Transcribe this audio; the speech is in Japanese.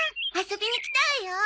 遊びに来たわよ。